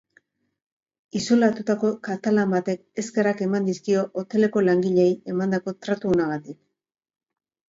Isolatutako katalan batek eskerrak eman dizkio hoteleko langileei emandako tratu onagatik.